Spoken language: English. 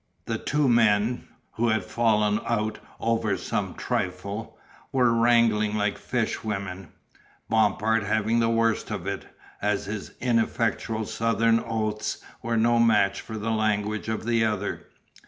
The two men, who had fallen out over some trifle, were wrangling like fish women, Bompard having the worst of it, as his ineffectual southern oaths were no match for the language of the other.